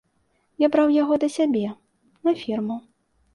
Я браў яго да сябе на фірму.